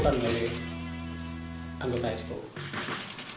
saya menyadari apa yang saya lakukan mestinya tidak dilakukan oleh pemerintah